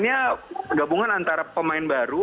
sebenarnya kita pemainnya gabungan antara pemain baru